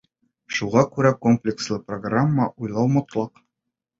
Шуға күрә комплекслы программа уйлау мотлаҡ.